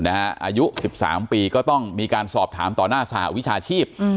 อายุ๑๓ปีก็ต้องมีการสอบถามต่อหน้าสหวิชาชีพ